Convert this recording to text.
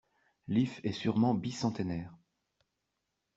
L'if est sûrement bicentenaire.